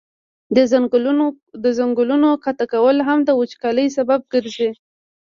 د ځنګلونو قطع کول هم د وچکالی سبب ګرځي.